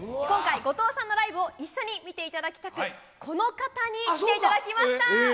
今回、後藤さんのライブを一緒に見ていただきたく、この方に来ていただきました。